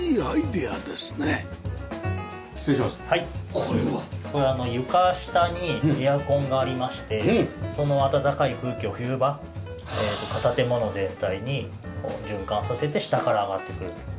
これは床下にエアコンがありましてその暖かい空気を冬場建物全体に循環させて下から上がってくるという。